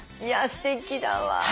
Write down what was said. すてきだわ。